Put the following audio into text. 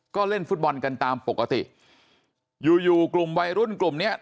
ก็เล่นฟุตบอลกันตามปกติอยู่อยู่กลุ่มวัยรุ่นกลุ่มเนี้ย